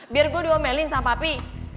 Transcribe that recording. biar gue diomelin sama papi